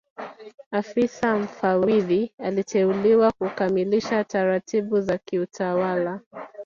Afisa Mfawidhi aliteuliwa kukamilisha taratibu za kiutawala